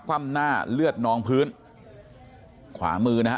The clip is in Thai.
ว่ำหน้าเลือดนองพื้นขวามือนะฮะ